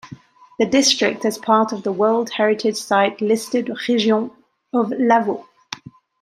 The district is part of the World Heritage Site listed region of Lavaux.